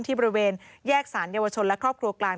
บริเวณแยกสารเยาวชนและครอบครัวกลาง